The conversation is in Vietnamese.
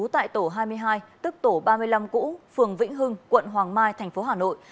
tổ ba mươi năm cũ phường vĩnh hưng quận hoàng mai tp hà nội